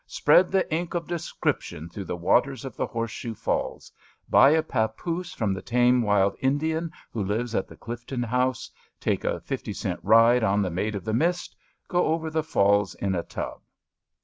'^ Spread the ink of de scription through the waters of the Horseshoe falls — ^buy a papoose from the tame wild Indian who lives at the Clifton House — ^take a fifty cent ride on the Maid of the Mist — ^go over the falls in a tub.